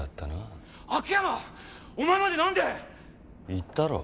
言ったろ。